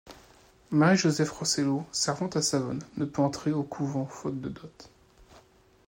Marie-Josèphe Rossello, servante à Savone, ne peut entrer au couvent faute de dot.